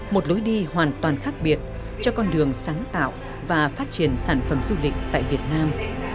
một lối đi hoàn toàn khác biệt cho con đường sáng tạo và phát triển sản phẩm du lịch tại việt nam